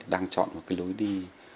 đang chọn một cái lối đi